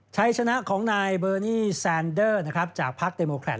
ชัยชนะของนายเบอร์นี่แซนเดอร์จากภักดีโมแครต